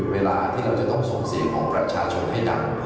เวลาที่เราจะต้องส่งเสียงของประชาชนให้ดัง